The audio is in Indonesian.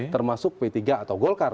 termasuk p tiga atau golkar